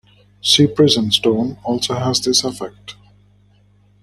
Sea-prism stone also has this effect.